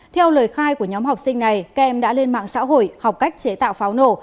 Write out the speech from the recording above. theo lời khai của nhóm học sinh này các em đã lên mạng xã hội học cách chế tạo pháo nổ